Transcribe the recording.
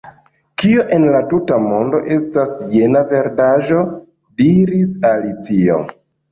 "Kio en la tuta mondo estas jena verdaĵo?" diris Alicio, "